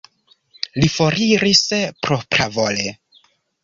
Li foriris propravole?